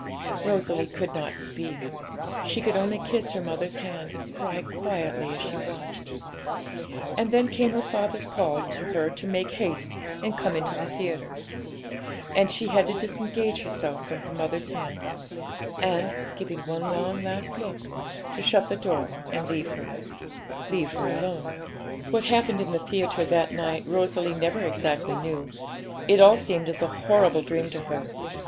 Rosalie could not speak; she could only kiss her mother's hand, and cry quietly as she watched. And then came her father's call to her to make haste and come into the theatre; and she had to disengage herself from her mother's hand, and, giving one last long look, to shut the door and leave her leave her alone. What happened in the theatre that night Rosalie never exactly knew; it all seemed as a horrible dream to her.